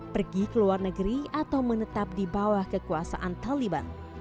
pergi ke luar negeri atau menetap di bawah kekuasaan taliban